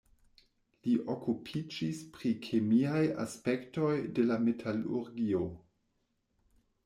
Li okupiĝis pri kemiaj aspektoj de la metalurgio.